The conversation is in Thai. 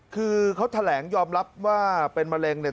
คือเขาแถลงยอมรับว่าเป็นมะเร็งเนี่ย